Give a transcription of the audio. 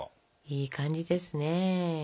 いい感じですね。